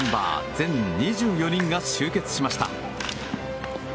全２４人が集結しました。